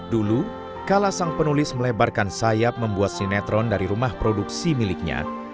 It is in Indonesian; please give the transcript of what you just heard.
dulu kala sang penulis melebarkan sayap membuat sinetron dari rumah produksi miliknya